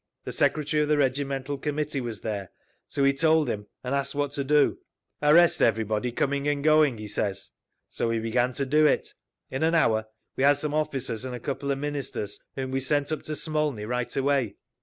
The secretary of the regimental Committee was there, so we told him and asked what to do. "'Arrest everybody coming and going!' he says. So we began to do it. In an hour we had some officers and a couple of Ministers, whom we sent up to Smolny right away.